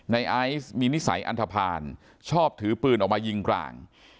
ไอซ์มีนิสัยอันทภาณชอบถือปืนออกมายิงกลาง